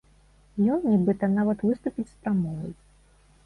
Ён, нібыта, нават выступіць з прамовай.